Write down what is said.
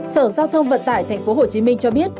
sở giao thông vận tải tp hcm cho biết